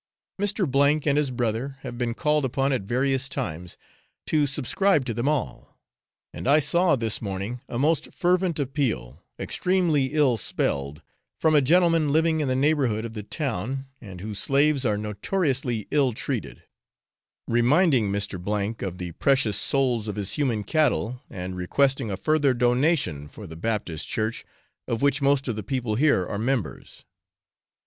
Mr. and his brother have been called upon at various times to subscribe to them all; and I saw this morning a most fervent appeal, extremely ill spelled, from a gentleman living in the neighbourhood of the town, and whose slaves are notoriously ill treated; reminding Mr. of the precious souls of his human cattle, and requesting a further donation for the Baptist Church, of which most of the people here are members.